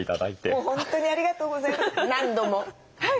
もう本当にありがとうございます何度も。